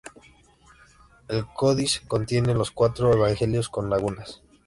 El codice contiene los cuatro Evangelios con lagunas.